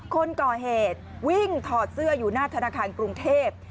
คนก่อเหตุวิ่งถอดเสื้ออยู่หน้าธนาคารกรุงเทพ